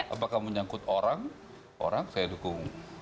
apakah menyangkut orang orang saya dukung